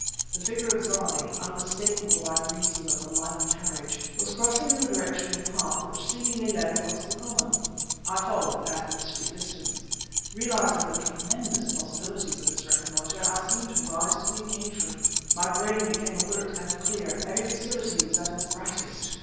The figure of Zarmi, unmistakable by reason of the lithe carriage, was crossing in the direction of a path which seemingly led across the common. I followed at a discreet distance. Realizing the tremendous potentialities of this rencontre I seemed to rise to the occasion; my brain became alert and clear; every faculty was at its brightest.